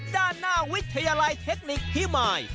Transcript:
ด้านหน้าวิทยาลัยเทคนิคพิมาย